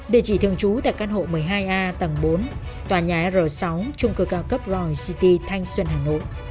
địa chỉ thường trú tại căn hộ một mươi hai a tầng bốn tòa nhà r sáu trung cư cao cấp dloy city thanh xuân hà nội